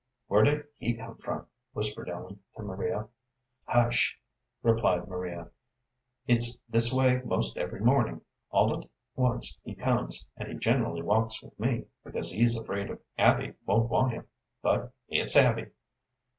"Where did he come from?" whispered Ellen to Maria. "Hush," replied Maria; "it's this way 'most every morning. All at once he comes, and he generally walks with me, because he's afraid Abby won't want him, but it's Abby."